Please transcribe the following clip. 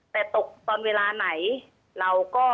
แต่ตกตอนเวลาไหนเราก็